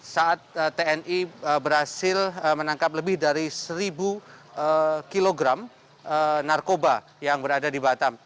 saat tni berhasil menangkap lebih dari seribu kg narkoba yang berada di batam